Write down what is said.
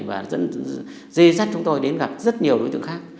và dây dắt chúng tôi đến gặp rất nhiều đối tượng khác